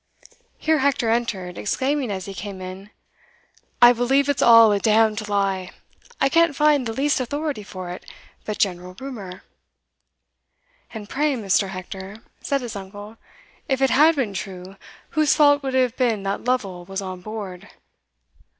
Here Hector entered, exclaiming as he came in, "I believe it's all a damned lie I can't find the least authority for it, but general rumour." "And pray, Mr. Hector," said his uncle, "if it had been true, whose fault would it have been that Lovel was on board?"